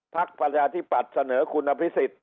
พรรคประชาธิบัติเสนอคุณอภิสิทธิ์